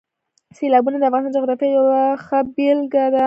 سیلابونه د افغانستان د جغرافیې یوه ښه بېلګه ده.